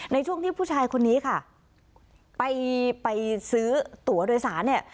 ในช่วงที่ผู้ชายคนนี้ค่ะไปไปซื้อตัวโดยสารเนี่ย